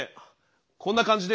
こんな感じで。